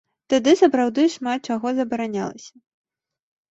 Тады сапраўды шмат чаго забаранялася.